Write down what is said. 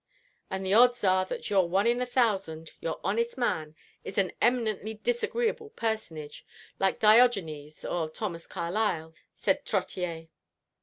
"And the odds are that your one in a thousand, your honest man, is an eminently disagreeable personage like Diogenes or Thomas Carlyle," said Trottier.